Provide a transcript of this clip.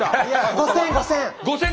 ５，０００５，０００！